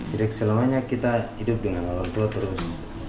tidak selamanya kita hidup dengan orang tua terus